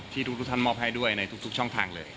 ทุกท่านมอบให้ด้วยในทุกช่องทางเลย